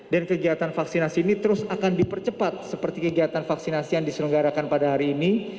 dan kegiatan vaksinasi ini terus akan dipercepat seperti kegiatan vaksinasi yang diselenggarakan pada hari ini